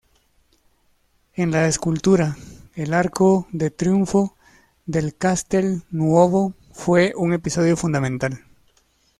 En la escultura el arco de triunfo del Castel Nuovo fue un episodio fundamental.